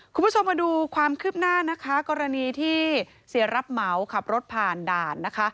คุณผู้ชมมาดูความคืบหน้านะคะกรณีที่เสียรับเหมาขับรถผ่านด่านนะคะ